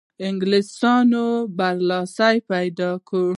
انګلیسیانو برلاسی پیدا کاوه.